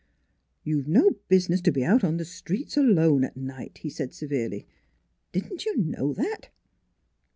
" You have no business to be out on the streets alone at night," he said severely. " Didn't you know that?"